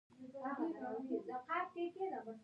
دریابونه د افغانستان د دوامداره پرمختګ لپاره اړین دي.